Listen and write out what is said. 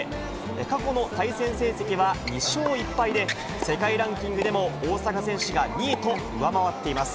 過去の対戦成績は２勝１敗で、世界ランキングでも大坂選手が２位と上回っています。